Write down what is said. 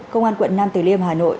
công an quận nam tử liêm hà nội